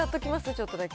ちょっとだけ。